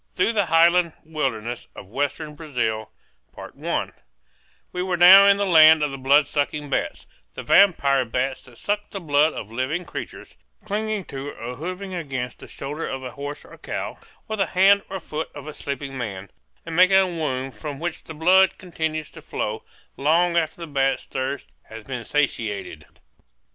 THROUGH THE HIGHLAND WILDERNESS OF WESTERN BRAZIL We were now in the land of the bloodsucking bats, the vampire bats that suck the blood of living creatures, clinging to or hovering against the shoulder of a horse or cow, or the hand or foot of a sleeping man, and making a wound from which the blood continues to flow long after the bat's thirst has been satiated.